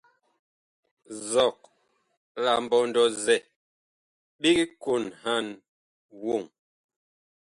Nzɔg la mbɔndɔ-zɛ big kɔnhan woŋ.